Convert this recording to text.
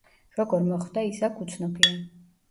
როგორ მოხვდა ის აქ, უცნობია.